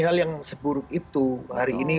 hal yang seburuk itu hari ini